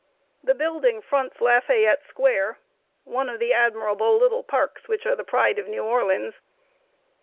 The building fronts Lafayette Square one of the admirable little parks which are the pride of New Orleans.